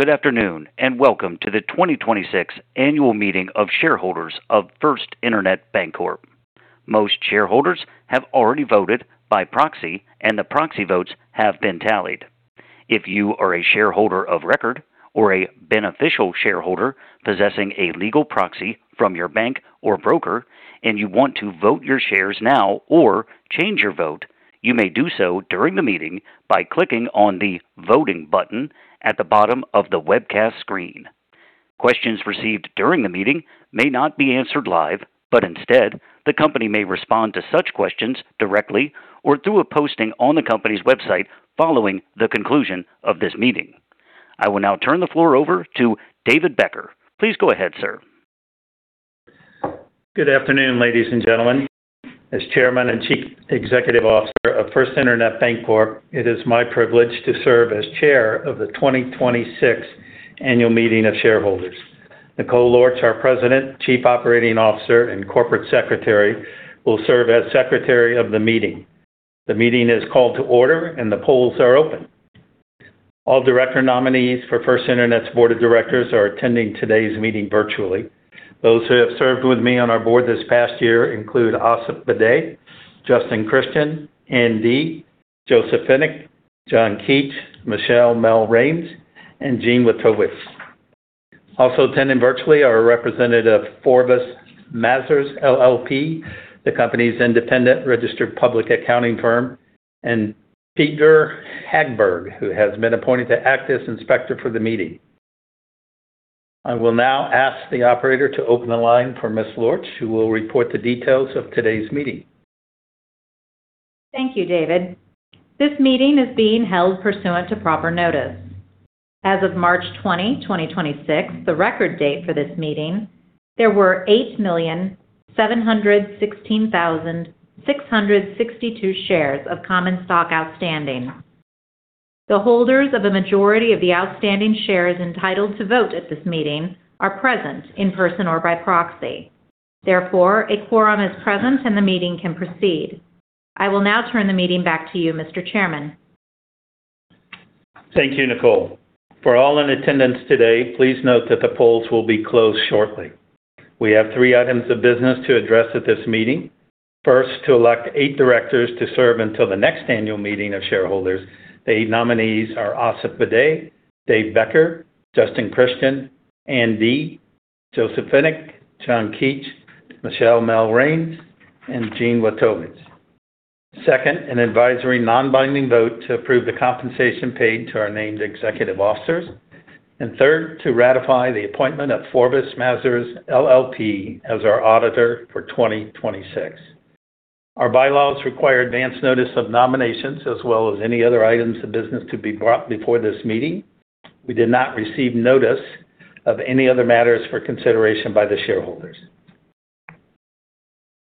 Good afternoon, and welcome to the 2026 Annual Meeting of Shareholders of First Internet Bancorp. Most shareholders have already voted by proxy, and the proxy votes have been tallied. If you are a shareholder of record or a beneficial shareholder possessing a legal proxy from your bank or broker and you want to vote your shares now or change your vote, you may do so during the meeting by clicking on the Voting button at the bottom of the webcast screen. Questions received during the meeting may not be answered live, but instead, the company may respond to such questions directly or through a posting on the company's website following the conclusion of this meeting. I will now turn the floor over to David Becker. Please go ahead, sir. Good afternoon, ladies and gentlemen. As Chairman and Chief Executive Officer of First Internet Bancorp, it is my privilege to serve as chair of the 2026 Annual Meeting of Shareholders. Nicole Lorch, our President, Chief Operating Officer, and Corporate Secretary, will serve as secretary of the meeting. The meeting is called to order, and the polls are open. All director nominees for First Internet's board of directors are attending today's meeting virtually. Those who have served with me on our board this past year include Aasif Bade, Justin Christian, Ann Dee, Joseph Fenech, John Keach, Michele L. Raines, and Gene Witkowitz. Also attending virtually are a representative of Forvis Mazars, LLP, the company's independent registered public accounting firm, and Peder Hagberg, who has been appointed to act as inspector for the meeting. I will now ask the operator to open the line for Ms. Lorch, who will report the details of today's meeting. Thank you, David. This meeting is being held pursuant to proper notice. As of March 20, 2026, the record date for this meeting, there were 8,716,662 shares of common stock outstanding. The holders of the majority of the outstanding shares entitled to vote at this meeting are present in person or by proxy. Therefore, a quorum is present and the meeting can proceed. I will now turn the meeting back to you, Mr. Chairman. Thank you, Nicole. For all in attendance today, please note that the polls will be closed shortly. We have three items of business to address at this meeting. First, to elect eight directors to serve until the next annual meeting of shareholders. The nominees are Aasif Bade, David Becker, Justin Christian, Ann Dee, Joseph Fenech, John Keach, Michele L. Raines, and Gene Witkowitz. Second, an advisory non-binding vote to approve the compensation paid to our named executive officers. Third, to ratify the appointment of Forvis Mazars, LLP as our auditor for 2026. Our bylaws require advance notice of nominations as well as any other items of business to be brought before this meeting. We did not receive notice of any other matters for consideration by the shareholders.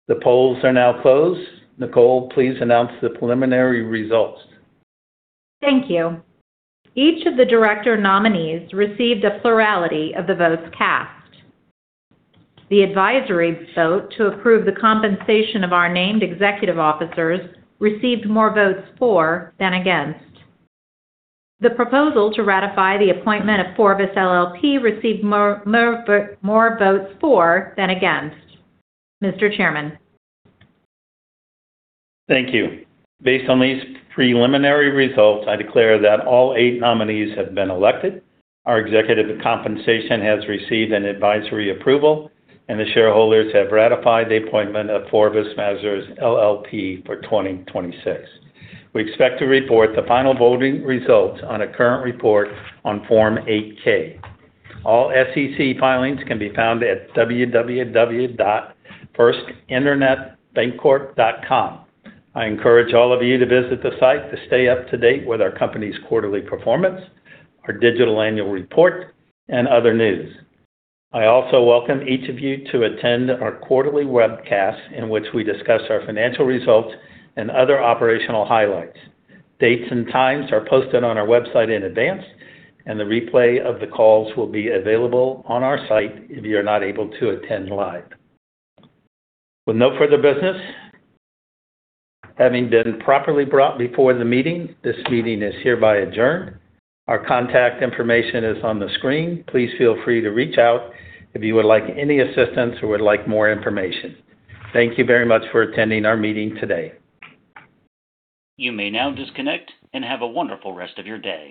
The polls are now closed. Nicole, please announce the preliminary results. Thank you. Each of the director nominees received a plurality of the votes cast. The advisory vote to approve the compensation of our named executive officers received more votes for than against. The proposal to ratify the appointment of Forvis LLP received more votes for than against. Mr. Chairman. Thank you. Based on these preliminary results, I declare that all eight nominees have been elected, our executive compensation has received an advisory approval, and the shareholders have ratified the appointment of Forvis Mazars, LLP for 2026. We expect to report the final voting results on a current report on Form 8-K. All SEC filings can be found at www.firstinternetbancorp.com. I encourage all of you to visit the site to stay up to date with our company's quarterly performance, our digital annual report, and other news. I also welcome each of you to attend our quarterly webcast in which we discuss our financial results and other operational highlights. Dates and times are posted on our website in advance, and the replay of the calls will be available on our site if you're not able to attend live. With no further business having been properly brought before the meeting, this meeting is hereby adjourned. Our contact information is on the screen. Please feel free to reach out if you would like any assistance or would like more information. Thank you very much for attending our meeting today. You may now disconnect and have a wonderful rest of your day.